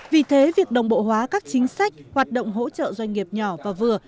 vì thế việc đồng bộ hóa các chính sách hoạt động hỗ trợ doanh nghiệp nhỏ và vừa